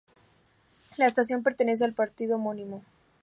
La estación pertenece al partido homónimo.